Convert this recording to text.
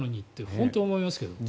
本当に思いますけどね。